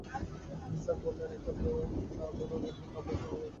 নিসার বললেন, একই চা দু ধরনের কাপে দেওয়া হয় বলে দু ধরনের দাম।